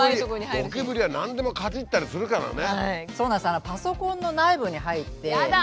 ゴキブリは何でもかじったりするからね。